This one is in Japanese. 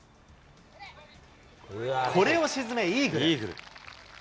これを沈め、イーグル。